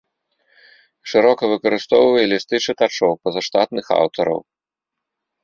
Шырока выкарыстоўвае лісты чытачоў, пазаштатных аўтараў.